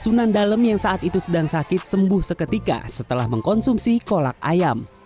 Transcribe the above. sunan dalem yang saat itu sedang sakit sembuh seketika setelah mengkonsumsi kolak ayam